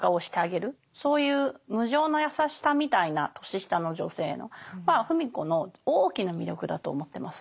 そういう無上の優しさみたいな年下の女性へのは芙美子の大きな魅力だと思ってます。